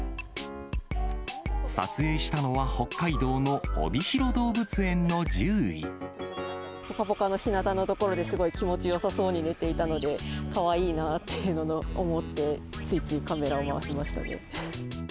撮影したのは、ぽかぽかのひなたの所ですごい気持ちよさそうに寝ていたので、かわいいなって思って、ついついカメラを回しましたね。